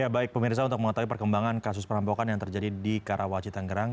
baik pemirsa untuk mengatasi perkembangan kasus perambokan yang terjadi di karawaci tangerang